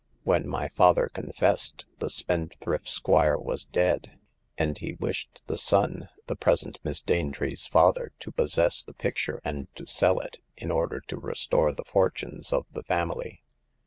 When my father confessed, the spendthrift squire was dead, and he wished the son — the present Miss Danetree's father — to possess the picture and to sell it, in order to restore the fortunes of the family."